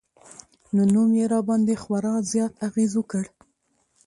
نو نوم يې راباندې خوړا زيات اغېز وکړ